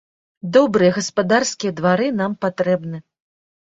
Добрыя гаспадарскія двары нам патрэбны!